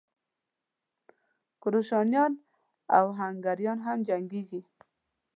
کروشیایان او هنګریایان هم جنګېږي.